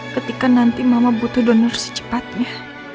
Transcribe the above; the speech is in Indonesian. ketika nanti mama butuh donor secepatnya